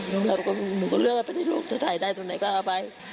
เราก็เลือกให้ลูกถ่ายได้ตัวไหนก็เอาไป